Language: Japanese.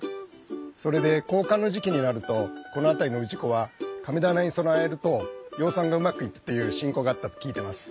それで交換の時期になるとこの辺りの氏子は神棚に供えると養蚕がうまくいくという信仰があったと聞いてます。